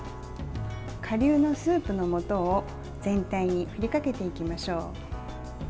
顆粒のスープのもとを全体に振りかけていきましょう。